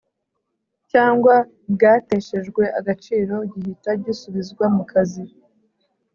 cyangwa bwateshejwe agaciro gihita gisubizwa mukazi